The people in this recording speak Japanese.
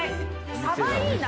サバいいな。